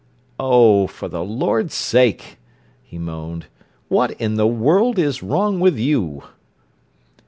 "Oh, for the Lord's sake!" he moaned. "What in the world is wrong with you?"